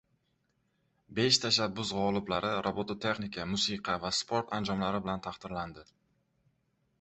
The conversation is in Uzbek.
“Besh tashabbus” g‘oliblari robototexnika, musiqa va sport anjomlari bilan taqdirlandi